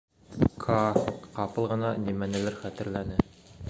— Каа ҡапыл ғына нимәнелер хәтерләне.